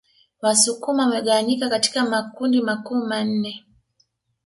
Wasukuma wamegawanyika katika makundi makuu manne